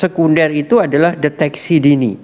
sekunder itu adalah deteksi dini